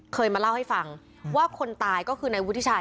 เคยมาเล่าให้ฟังว่าคนตายก็คือนายวุฒิชัย